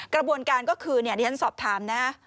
กระบวนการก็คือดิฉันสอบถามนะ